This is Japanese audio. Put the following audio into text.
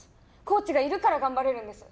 コーチがいるから頑張れるんです。